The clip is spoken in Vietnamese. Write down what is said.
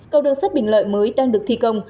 cầu đường sắt bình lợi mới đang được thi công